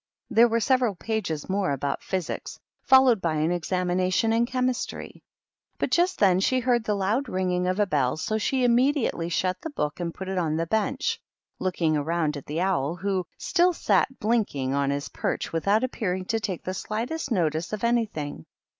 There were several pages more about Physics, followed by an examination in Chemistry. But just then she heard the loud ringing of a bell, so she immediately shut the book and put it on the bench, looking round at the owl, who still sat blinking on his perch with out appearing to take the slightest notice of any thing.